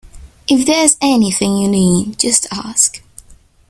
If there's anything you need, just ask